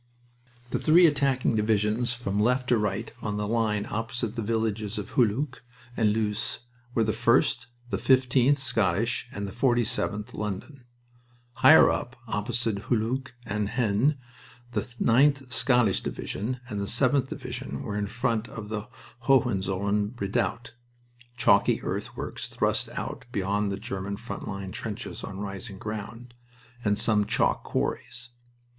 The three attacking divisions from left to right on the line opposite the villages of Hulluch and Loos were the 1st, the 15th (Scottish), and the 47th (London). Higher up, opposite Hulluch and Haisnes, the 9th (Scottish) Division and the 7th Division were in front of the Hohenzollern redoubt (chalky earthworks thrust out beyond the German front line trenches, on rising ground) and some chalk quarries.